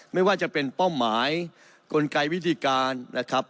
ไม่ว่าจะเป็นเป้าหมายกลไกวิธีการนะครับ